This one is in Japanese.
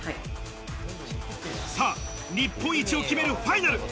さぁ、日本一を決めるファイナル。